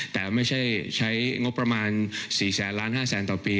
แต่ไม่ใช่ใช้งบประมาณ๔แสนล้าน๕แสนต่อปี